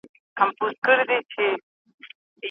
عصري دولتونه به په اقتصاد کي برخه واخلي.